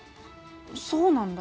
そうなんだ？